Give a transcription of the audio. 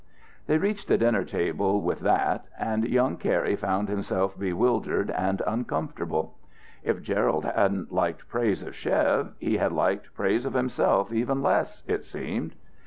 They reached the dinner table with that, and young Cary found himself bewildered and uncomfortable. If Gerald hadn't liked praise of Chev, he had liked praise of himself even less, it seemed.